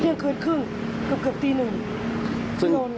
เที่ยงคืนครึ่งเกือบเกือบตีหนึ่งโดนกัน